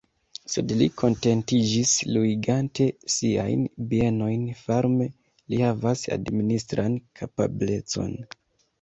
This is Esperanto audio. Sed li kontentiĝis luigante siajn bienojn farme: li havas administran kapablecon.